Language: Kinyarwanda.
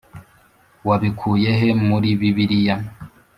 Wabikuye he muri bibiliye